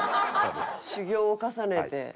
修行を重ねて。